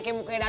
kayak muka dada